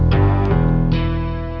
mencari tempat untuk berbunyi